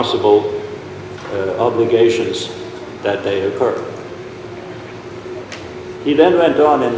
jika kesehatan keuangan bank sentral tersebut terpercaya lemah